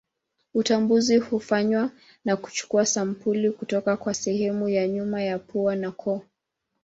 Utambuzi hufanywa kwa kuchukua sampuli kutoka kwa sehemu ya nyuma ya pua na koo.